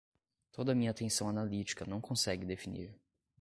toda a minha atenção analítica não consegue definir.